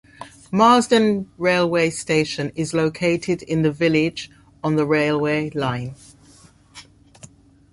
Marsden railway station is located in the village on the railway line.